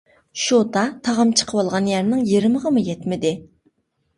شوتا تاغام چىقىۋالغان يەرنىڭ يېرىمىغىمۇ يەتمىدى.